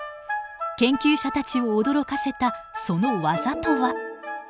研究者たちを驚かせたその技とは。